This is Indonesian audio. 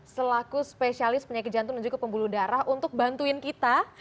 selaku spesialis penyakit jantung dan juga pembuluh darah untuk bantuin kita